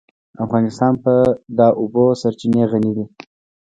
افغانستان په د اوبو سرچینې غني دی.